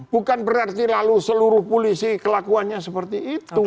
bukan berarti lalu seluruh polisi kelakuannya seperti itu